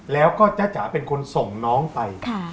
แล้วก็จ๊ะจ๋าเป็นคนส่งน้องไป